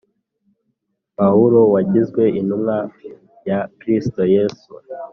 Pawulo wagizwe intumwa ya Kristo Yesu